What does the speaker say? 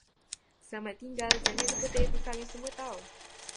Selamat tinggal jangan lupa telefon kami semua tahu